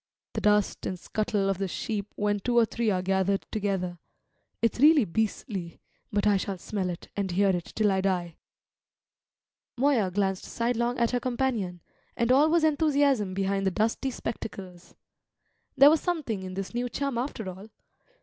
The dust and scuttle of the sheep when two or three are gathered together; it's really beastly, but I shall smell it and hear it till I die." Moya glanced sidelong at her companion, and all was enthusiasm behind the dusty spectacles. There was something in this new chum after all.